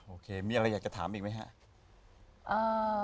โอเคมีอะไรอยากจะถามอีกไหมครับ